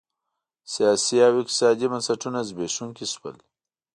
سیاسي او اقتصادي بنسټونه زبېښونکي شول